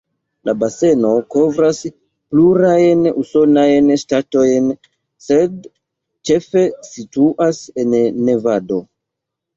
La baseno kovras plurajn usonajn ŝtatojn, sed ĉefe situas en Nevado.